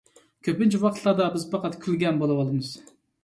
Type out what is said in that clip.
كۆپىنچە ۋاقىتلاردا بىز پەقەت كۈلگەن بولىۋالىمىز